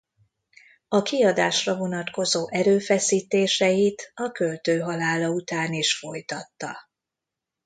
A kiadásra vonatkozó erőfeszítéseit a költő halála után is folytatta.